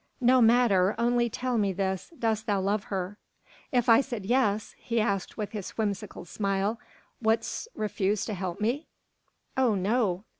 "No matter; only tell me this, dost thou love her?" "If I said 'yes,'" he asked with his whimsical smile, "wouldst refuse to help me?" "Oh, no!"